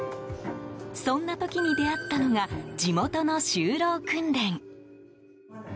そんな時に出会ったのが地元の就労訓練。